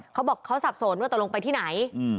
เขาบอกเขาสับสนว่าตกลงไปที่ไหน